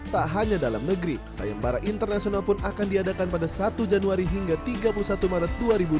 tak hanya dalam negeri sayembara internasional pun akan diadakan pada satu januari hingga tiga puluh satu maret dua ribu dua puluh